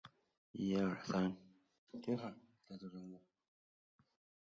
注意某些是有歧义的。